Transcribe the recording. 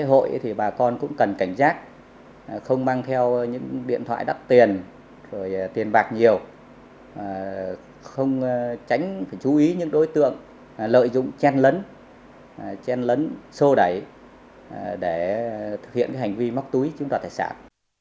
không cần cảnh giác không mang theo những điện thoại đắt tiền tiền bạc nhiều không tránh chú ý những đối tượng lợi dụng chen lấn chen lấn sô đẩy để thực hiện hành vi móc túi chúng ta tài sản